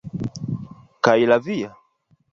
Kaj la via?